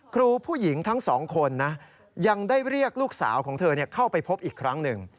ครูผู้หญิงทั้งสองคนนะยังได้เรียกลูกสาวของเธอเข้าไปพบอีกครั้งหนึ่ง